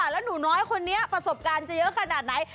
แล้วหนูน้อยคนนี้ประสบการณ์จะเยอะขนาดไหน